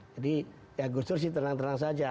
jadi ya gustur sih tenang tenang saja